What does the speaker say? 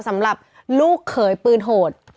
สำหรับลูกเขยปืนโหด